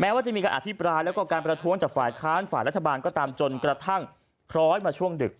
แม้ว่าจะมีการอภิปรายแล้วก็การประท้วงจากฝ่ายค้านฝ่ายรัฐบาลก็ตามจนกระทั่งคล้อยมาช่วงดึก